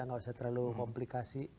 gak usah terlalu komplikasi